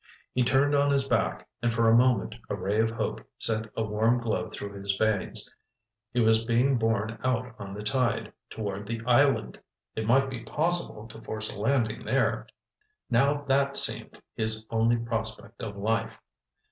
He turned on his back, and for a moment a ray of hope sent a warm glow through his veins. He was being borne out on the tide, toward the island! It might be possible to force a landing there. Now that seemed his only prospect of life.